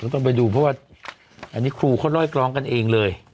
ต้องไปดูเพราะว่าอันนี้ครูเขาล่อยร้องกันเองเลย